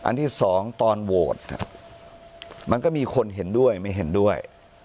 ที่สองตอนโหวตมันก็มีคนเห็นด้วยไม่เห็นด้วย